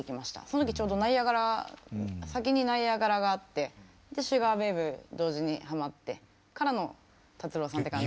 その時ちょうどナイアガラ先にナイアガラがあってシュガー・ベイブ同時にハマってからの達郎さんって感じ。